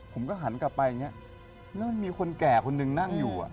ผมก็หันกลับไปอย่างนี้แล้วมันมีคนแก่คนนึงนั่งอยู่